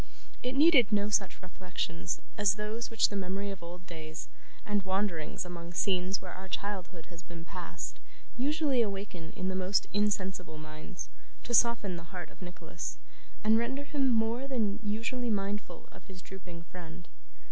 It needed no such reflections as those which the memory of old days, and wanderings among scenes where our childhood has been passed, usually awaken in the most insensible minds, to soften the heart of Nicholas, and render him more than usually mindful of his drooping friend.